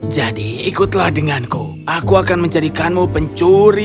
jadi ikutlah denganku aku akan menjadikanmu pencurian